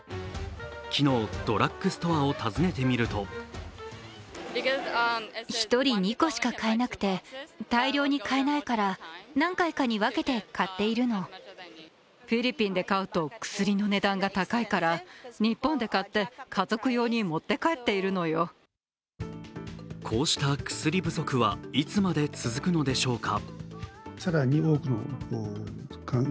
昨日、ドラッグストアを訪ねてみるとこうした薬不足はいつまで続くのでしょうか。